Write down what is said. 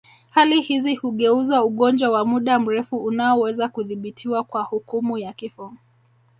Hali hizi hugeuza ugonjwa wa muda mrefu unaoweza kudhibitiwa kwa hukumu ya kifo